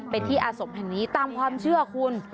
เป็นที่อาสมแห่งนี้ตามความเชื่อคุณ